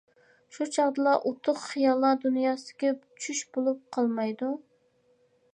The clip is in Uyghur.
-شۇ چاغدىلا ئۇتۇق خىياللار دۇنياسىدىكى چۈش بولۇپ قالمايدۇ.